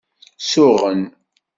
Suɣen.